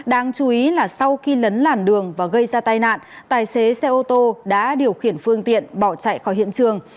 đáng chú ý là sau khi lấn làn đường và gây ra tai nạn tài xế xe ô tô đã điều khiển phương tiện bỏ chạy khỏi hiện trường